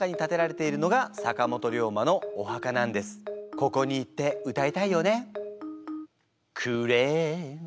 ここに行って歌いたいよね。